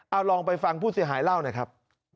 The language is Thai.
เอาลองไปฟังผู้เสียหายเล่าหน่อยครับ